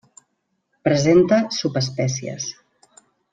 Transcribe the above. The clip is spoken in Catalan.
Presenta subespècies.